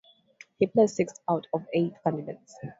He placed sixth out of eight candidates.